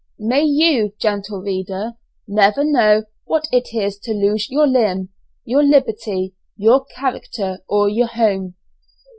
May you, gentle reader, never know what it is to lose your limb, your liberty, your character, or your home.